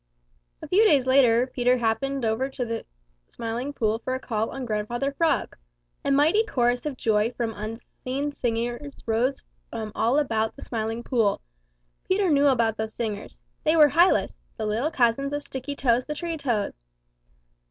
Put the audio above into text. A few days later Peter happened over to the Smiling Pool for a call on Grandfather Frog. A mighty chorus of joy from unseen singers rose from all about the Smiling Pool. Peter knew about those singers. They were Hylas, the little cousins of Sticky toes the Tree Toad.